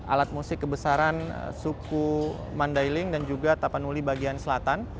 alat musik kebesaran suku mandailing dan juga tapanuli bagian selatan